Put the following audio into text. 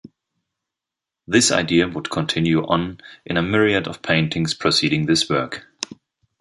This idea would continue on in a myriad of paintings proceeding this work.